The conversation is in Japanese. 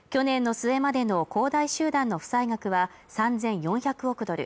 去年の末までの恒大集団の負債額は３４００億ドル